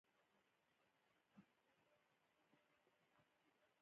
ښځه د خپل کورنۍ لپاره هڅې کوي.